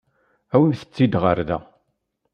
Awimt-t-id ɣer da.